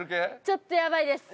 ちょっとやばいです。